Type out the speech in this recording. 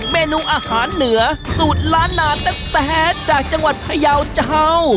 เมนูอาหารเหนือสูตรล้านนาแต๊จากจังหวัดพยาวเจ้า